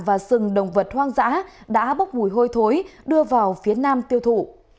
và sừng động vật hoang dã đã bốc mùi hôi thối đưa vào phía nam tiêu thụ